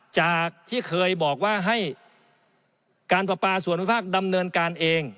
จากที่เคยบอกว่าให้การประปาส่วนวิภาคดำเนินการเอง